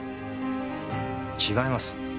違います。